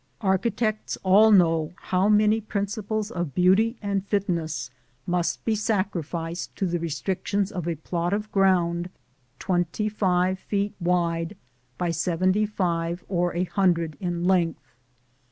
Architects all know how many principles of beauty and fitness must be sacrificed to the restrictions of a plot of ground twenty five feet wide by seventy five or a hundred in length.